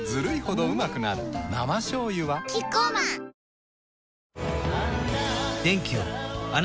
生しょうゆはキッコーマンあ゛ーーー！